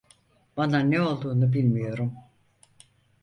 Bana ne olduğunu bilmiyorum.